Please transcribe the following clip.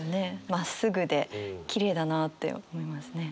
まっすぐできれいだなって思いますね。